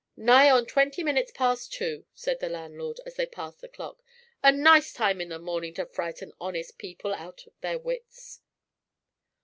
"Nigh on twenty minutes past two!" said the landlord, as they passed the clock. "A nice time in the morning to frighten honest people out of their wits!"